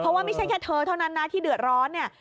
เพราะว่าไม่ใช่แค่เธอเท่านั้นนะที่เดือดร้อนเนี่ย